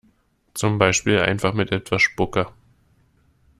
Zum Beispiel einfach mit etwas Spucke.